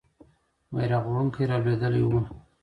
بیرغ وړونکی رالوېدلی وو.